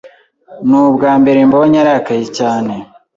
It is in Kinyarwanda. Ni ubwambere mbonye arakaye cyane.